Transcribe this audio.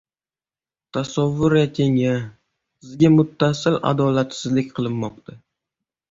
Tasavvur eting-a, sizga muttasil adolatsizlik qilinmoqda